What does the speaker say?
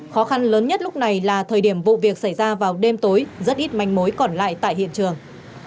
khó khăn lớn nhất lúc này là thời điểm vụ việc xảy ra vào đêm tối rất ít manh mối còn lại tại hiện trường